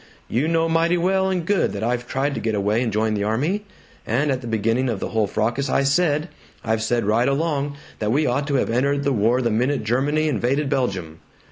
You know mighty well and good that I've tried to get away and join the army. And at the beginning of the whole fracas I said I've said right along that we ought to have entered the war the minute Germany invaded Belgium.